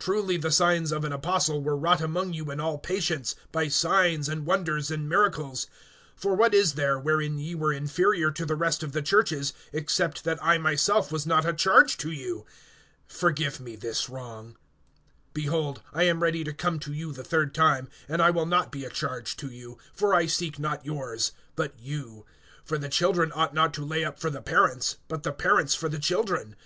(12)Truly the signs of an apostle were wrought among you in all patience, by signs, and wonders, and miracles. (13)For what is there, wherein ye were inferior to the rest of the churches, except that I myself was not a charge to you? Forgive me this wrong. (14)Behold, I am ready to come to you the third time; and I will not be a charge to you; for I seek not yours, but you; for the children ought not to lay up for the parents, but the parents for the children.